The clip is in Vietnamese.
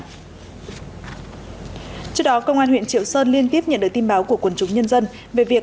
trước đó công an huyện triệu sơn liên tiếp nhận được tin báo của quần chúng nhân dân về việc